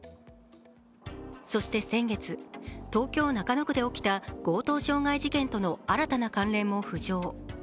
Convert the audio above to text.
そして先月、東京・中野区で起きた強盗傷害事件との新たな関連も浮上。